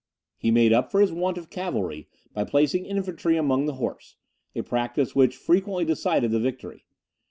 He made up for his want of cavalry, by placing infantry among the horse; a practice which frequently decided the victory.